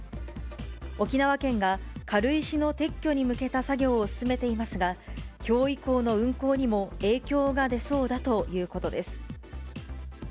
沖縄県が軽石の撤去に向けた作業を進めていますが、きょう以降の運航にも影響が出そうだということです。